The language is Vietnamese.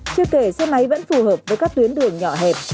chưa kể xe máy vẫn phù hợp với các tuyến đường nhỏ hẹp